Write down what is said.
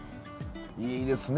いいですね